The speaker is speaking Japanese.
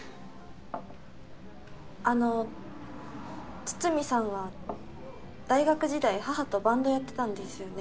あの筒見さんは大学時代母とバンドやってたんですよね？